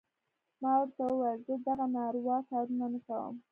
ما ورته وويل زه دغه ناروا کارونه نه کوم.